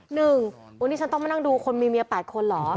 หนึ่งวันนี้ฉันต้องมานั่งดูคนมีเมีย๘คนเหรอ